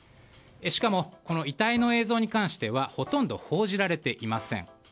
しかも、遺体の映像に関してはほとんど報じられていません。